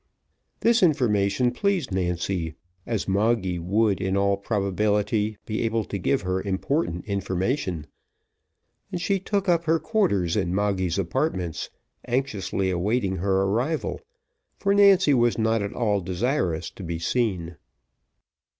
This information pleased Nancy, as Moggy would in all probability be able to give her important information, and she took up her quarters in Moggy's apartments, anxiously awaiting her arrival, for Nancy was not at all desirous to be seen.